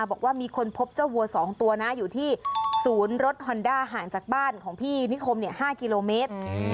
บอกว่ามีคนพบเจ้าวัว๒ตัวนะอยู่ที่ศูนย์รถฮอนด้าห่างจากบ้านของพี่นิคม๕กิโลเมตร